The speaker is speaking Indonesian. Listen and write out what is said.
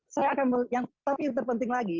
saya akan tapi yang terpenting lagi